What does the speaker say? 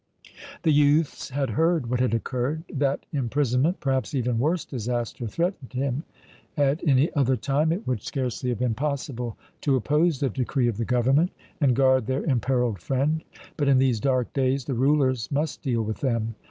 The youths had heard what had occurred that imprisonment, perhaps even worse disaster, threatened him. At any other time it would scarcely have been possible to oppose the decree of the Government and guard their imperilled friend, but in these dark days the rulers must deal with them.